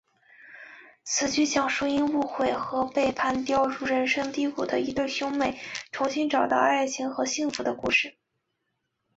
此剧讲述因误会和背叛掉进人生低谷的一对兄妹重新找到爱情和幸福的故事。